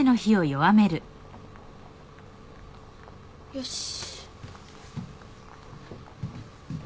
よし。